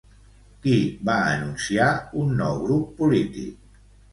Qui va anunciar un nou grup polític?